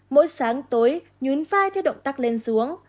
mỗi sáng tối nhún phai theo động tác lên xuống